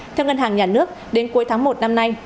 theo ngân hàng nhà nước đến cuối tháng một năm nay